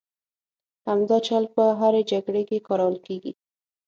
همدا چل په هرې جګړې کې کارول کېږي.